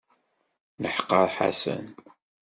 Neḥqer Ḥasan.